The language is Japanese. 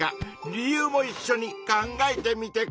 理由もいっしょに考えてみてくれ。